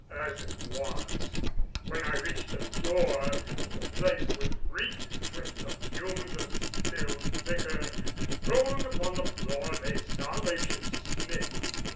As it was, when I reached the door, the place was reeking with the fumes of spilled liquor and prone upon the floor lay Salvation Smith.